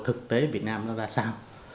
thực tế việt nam nó ra sao